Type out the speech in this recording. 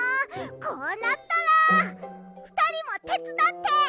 こうなったらふたりもてつだって！